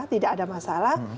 tidak ada masalah